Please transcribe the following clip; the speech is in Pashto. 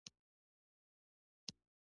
د اعلاناتو شرکتونه کار کوي